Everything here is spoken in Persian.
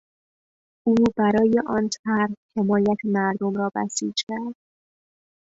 او برای آن طرح حمایت مردم را بسیج کرد.